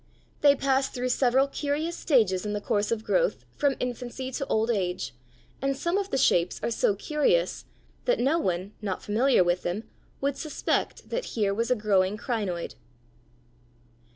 They pass through several curious stages in the course of growth from infancy to old age, and some of the shapes are so curious that no one, not familiar with them, would suspect that here was a growing crinoid.